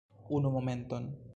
Unu momenton